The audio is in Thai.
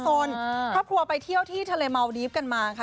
ครอบครัวไปเที่ยวที่ทะเลเมาดีฟกันมาค่ะ